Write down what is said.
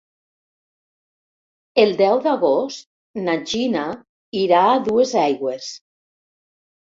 El deu d'agost na Gina irà a Duesaigües.